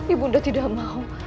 ibu nda tidak mau